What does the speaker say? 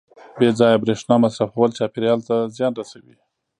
• بې ځایه برېښنا مصرفول چاپېریال ته زیان رسوي.